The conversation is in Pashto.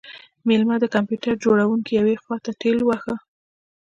میلمه د کمپیوټر جوړونکی یوې خواته ټیل واهه